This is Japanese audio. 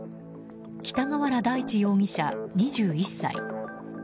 北河原大地容疑者、２１歳。